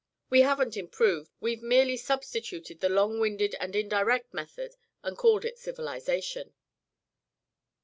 We haven't improved; we've merely substituted the long winded and indirect method and called it civilisation."